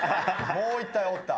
もう一体おった。